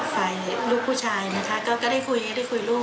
ใครลูกผู้ชายก็ได้คุย